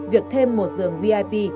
việc thêm một giường vip